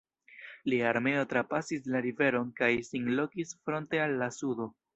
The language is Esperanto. Lia armeo trapasis la riveron kaj sin lokis fronte al la sudo.